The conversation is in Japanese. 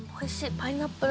パイナップル？